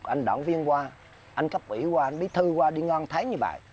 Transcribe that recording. anh đảng viên qua anh cấp ủy qua anh bí thư qua đi ngang thấy như vậy